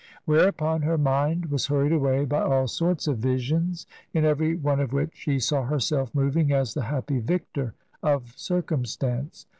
Whereupon her mind was hurried away by all sorts of visions, in every one of which she saw herself moving as the happy victor of circumstance.